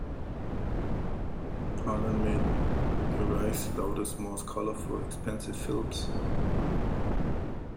Harlan made the Reich's loudest, most colorful and expensive films.